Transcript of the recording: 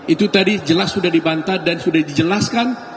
itu tadi jelas sudah dibantah dan sudah dijelaskan